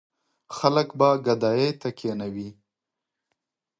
خلک به ګدايۍ ته کېنوي.